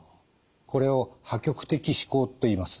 これを破局的思考といいます。